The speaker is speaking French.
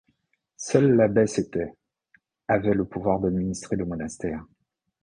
Seule l'abbesse était avait le pouvoir d'administrer le monastère.